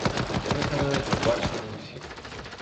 Яны становяцца бачнымі ўсім.